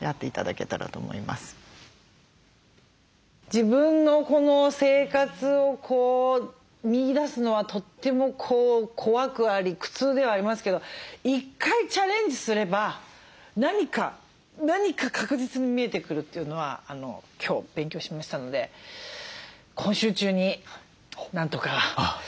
自分のこの生活を見いだすのはとっても怖くあり苦痛ではありますけど１回チャレンジすれば何か何か確実に見えてくるというのは今日勉強しましたので今週中になんとかあのこれをやりたいと。